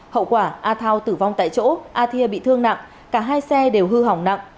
hậu quả a thao tử vong tại chỗ a thia bị thương nặng cả hai xe đều hư hỏng nặng